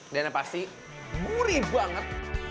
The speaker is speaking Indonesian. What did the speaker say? dan yang pasti gurih banget